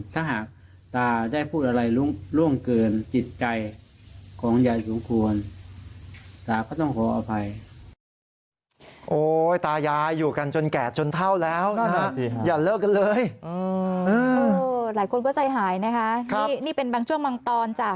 ถ้าหากตาได้พูดอะไรล่วงเกินจิตใจของยายสุงควร